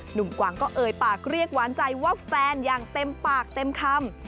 กวางก็เอ่ยปากเรียกหวานใจว่าแฟนอย่างเต็มปากเต็มคำ